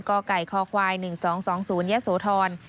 กไก่คควาย๑๒๒๐ยะโสธร